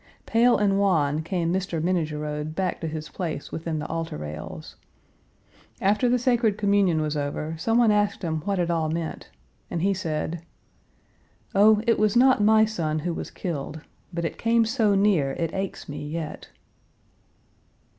Pale and wan came Mr. Minnegerode back to his place within the altar rails. After the sacred communion was over, some one asked him what it all meant, and he said: "Oh, it was not my son who was killed, but it came so near it aches me yet!"